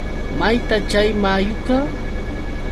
¿mayta chay mayuqa?